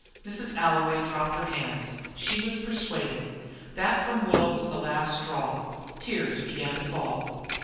Mrs. Alloway dropped her hands. She was persuaded. That from Will was the last straw. Tears began to fall.